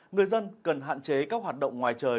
người dân cần hạn chế các hoạt động ngoài trời